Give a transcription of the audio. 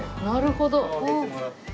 なるほど。